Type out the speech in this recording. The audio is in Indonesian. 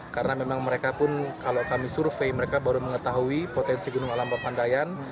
karena memang mereka pun kalau kami survei mereka baru mengetahui potensi gunung alam papandayan